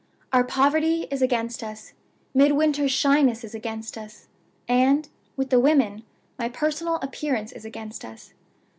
Our poverty is against us; Midwinter's shyness is against us; and (with the women) my personal appearance is against us.